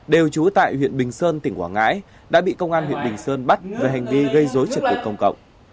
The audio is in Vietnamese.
đều trú tại huyện bình sơn tỉnh quảng ngãi đã bị công an huyện bình sơn bắt về hành vi gây dối trật tự công cộng